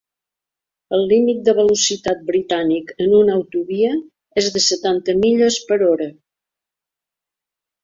El límit de velocitat britànic en una autovia és de setanta milles per hora.